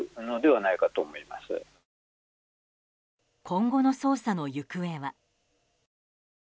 今後の捜査の行方は。